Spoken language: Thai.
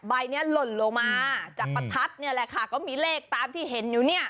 ใบนี้หล่นลงมาจากประทัดเนี่ยแหละค่ะก็มีเลขตามที่เห็นอยู่เนี่ย